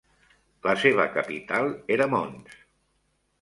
La seva capital era Mons.